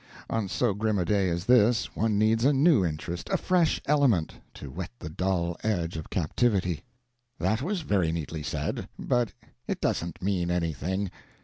On so grim a day as this, one needs a new interest, a fresh element, to whet the dull edge of captivity. That was very neatly said, but it doesn't mean anything.